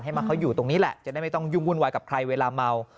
มาเขาอยู่ตรงนี้แหละจะได้ไม่ต้องยุ่งวุ่นวายกับใครเวลาเมา